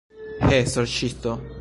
He, sorĉisto!